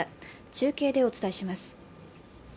中継でお伝えします。